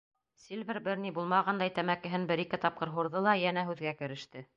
Сильвер бер ни булмағандай тәмәкеһен бер-ике тапҡыр һурҙы ла йәнә һүҙгә кереште: